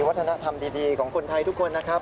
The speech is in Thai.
วัฒนธรรมดีของคนไทยทุกคนนะครับ